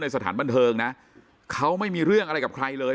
สถานบันเทิงนะเขาไม่มีเรื่องอะไรกับใครเลย